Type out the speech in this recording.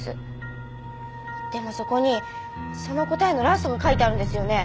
でもそこにその答えのラストが書いてあるんですよね。